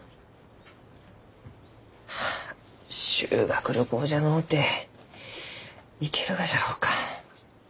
はあ修学旅行じゃのうて行けるがじゃろうか？